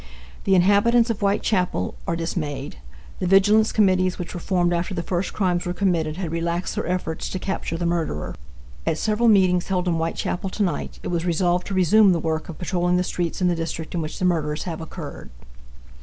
The inhabitants of Whitechapel are dismayed. The vigilance committees which were formed after the first crimes were committed had relaxed their efforts to capture the murderer. At several meetings held in Whitechapel to night it was resolved to resume the work of patrolling the streets in the district in which the murders have occurred.